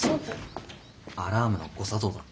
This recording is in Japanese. アラームの誤作動だって。